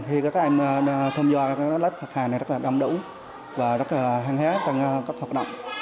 thì các em thông do lớp học hà này rất là đông đủ và rất là hành hóa trong các hoạt động